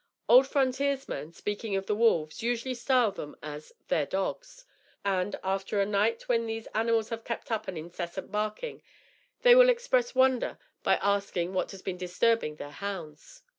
Old frontiersmen, speaking of the wolves, usually style them as "their dogs;" and, after a night when these animals have kept up an incessant barking, they will express wonder by asking what has been disturbing "their hounds."